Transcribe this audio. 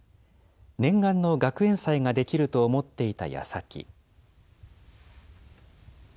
念願の学園祭ができると思っていたやさき。